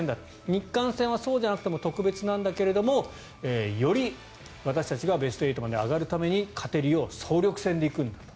日韓戦はそうじゃなくても特別なんだけどより、私たちがベスト８まで上がれるように勝てるよう総力戦で行くんだと。